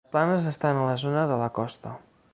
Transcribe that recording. Les planes estan a la zona de la costa.